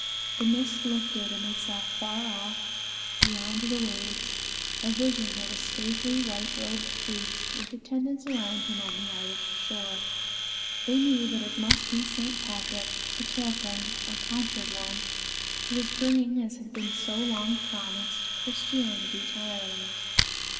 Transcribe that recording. The mist lifted, and they saw afar off, beyond the waves, a vision of a stately white robed priest, with attendants around him on the Irish shore. They knew that it must be St. Patrick, the Tailkenn, or Tonsured One, who was bringing, as had been so long promised, Christianity to Ireland.